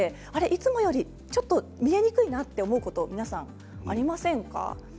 いつもよりちょっと見えにくいなと思うこと皆さん、ありませんか。